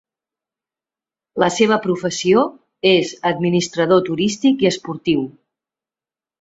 La seva professió és administrador turístic i esportiu.